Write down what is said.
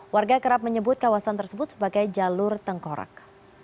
warga kerap menyebut kawasan tersebut sebagai jalur tengkorak